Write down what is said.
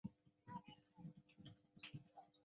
漪蛱蝶属是线蛱蝶亚科环蛱蝶族里的一属。